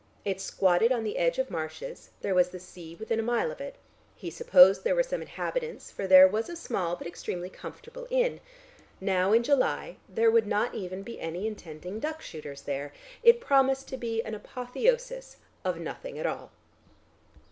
It squatted on the edge of marshes, there was the sea within a mile of it; he supposed there were some inhabitants, for there was a small but extremely comfortable inn. Now in July there would not even be any intending duck shooters there; it promised to be an apotheosis of nothing at all.